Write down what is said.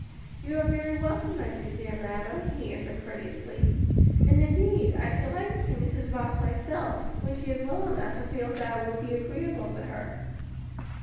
"You are very welcome, my dear madam," he answered courteously; "and, indeed, I should like to see Mrs. Rose myself, when she is well enough and feels that it will be agreeable to her."